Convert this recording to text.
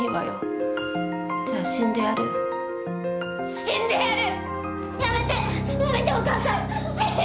死んでやる！